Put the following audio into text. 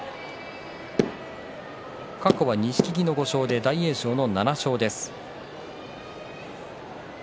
過去は錦木の５勝大栄翔の７勝です。